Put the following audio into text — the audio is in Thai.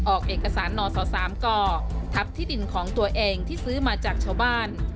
ออกเอกสารนศ๓กทับที่ดินของตัวเองที่ซื้อมาจากชาวบ้าน